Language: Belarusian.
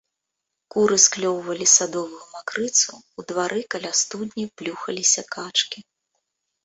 Куры склёўвалі садовую макрыцу, у двары каля студні плюхаліся качкі.